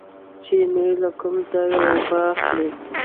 چینې له کوم ځای اوبه اخلي؟